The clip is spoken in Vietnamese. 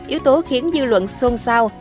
yếu tố khiến dư luận xôn xao